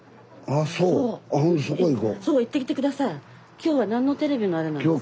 今日は何のテレビのあれなんですか？